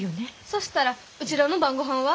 そしたらうちらの晩ごはんは？